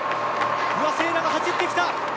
不破が走ってきた。